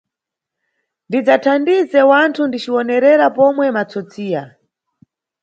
Ndindzathandize ndidzathandize wanthu ndiciwonerera pomwe matsotsiya.